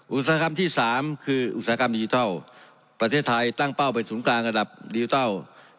อุตสาหกรรมที่๓คืออุตสาหกรรมดิจิทัลประเทศไทยตั้งเป้าเป็นศูนย์กลางระดับดิจิทัล